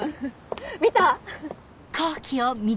見た？